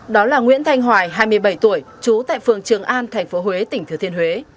đó là nguyễn thanh hoài hai mươi bảy tuổi trú tại phường trường an tp huế tỉnh thừa thiên huế